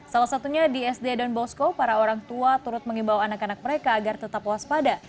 salah satunya di sd dan bosko para orang tua turut mengimbau anak anak mereka agar tetap waspada